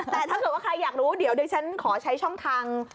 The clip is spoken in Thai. แต่ถ้าเกิดว่าใครอยากรู้เดี๋ยวดิฉันขอใช้ช่องทาง